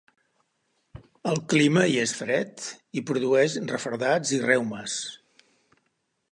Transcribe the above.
El clima hi és fred, i produeix refredats i reumes.